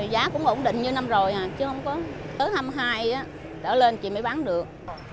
giá cũng ổn định như năm rồi chứ không có tới hai mươi hai trở lên chị mới bán được